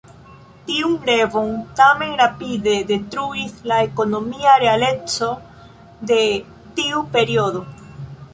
Tiun revon tamen rapide detruis la ekonomia realeco de tiu periodo.